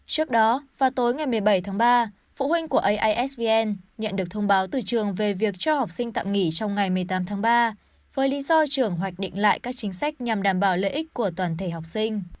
trước đó vào tối ngày một mươi bảy tháng ba phụ huynh của aisvn nhận được thông báo từ trường về việc cho học sinh tạm nghỉ trong ngày một mươi tám tháng ba với lý do trường hoạch định lại các chính sách nhằm đảm bảo lợi ích của toàn thể học sinh